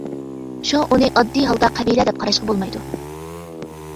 شۇڭا، ئۇنى ئاددىي ھالدا قەبىلە دەپ قاراشقا بولمايدۇ.